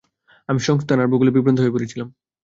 আমি সংস্থান আর ভূগোলে বিভ্রান্ত হয়ে পড়েছিলাম।